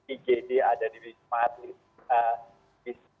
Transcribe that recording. igd ada di wisma atlet